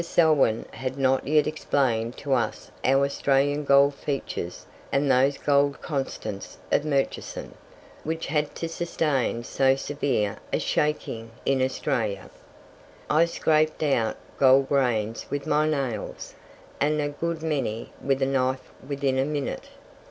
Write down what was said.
Selwyn had not yet explained to us our Australian gold features and those gold "constants" of Murchison, which had to sustain so severe a shaking in Australia. I scraped out gold grains with my nails, and a good many with a knife within a minute.